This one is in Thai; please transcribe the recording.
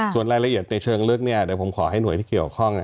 ส่วนรายละเอียดในเชิงลึกเนี่ยเดี๋ยวผมขอให้หน่วยที่เกี่ยวข้อง